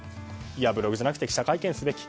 ブログじゃなくて記者会見をすべき。